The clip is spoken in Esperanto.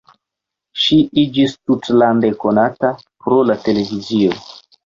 Ŝi iĝis tutlande konata pro la televizio.